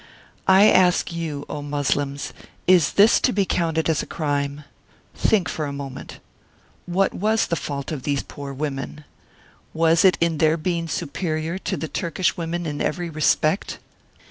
I ask you, O Moslems is this to be counted as a crime ? Think for a moment. What was the fault of these poor women ? Was it in their being superior to the Turkish women in every respect?